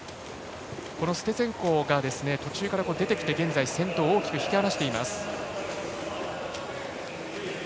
ステツェンコが途中から出てきて先頭を大きく引き離しています。